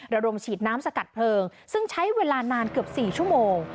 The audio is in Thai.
ระดมฉีดน้ำสกัดเพลิงซึ่งใช้เวลานานเกือบ๔ชั่วโมง